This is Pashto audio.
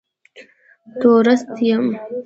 تورېست یم.